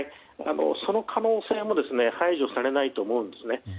その可能性も排除されないと思うんですね。